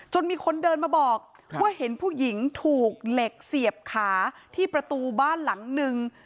มีคนเดินมาบอกว่าเห็นผู้หญิงถูกเหล็กเสียบขาที่ประตูบ้านหลังนึง